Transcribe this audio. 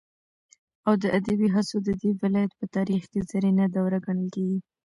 او د ادبي هڅو ددې ولايت په تاريخ كې زرينه دوره گڼل كېږي.